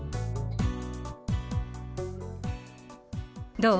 どう？